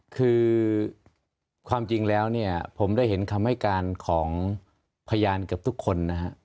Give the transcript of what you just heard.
คือความจริงแล้วเนี่ยผมได้เห็นคำให้การของพยานเกือบทุกคนนะฮะ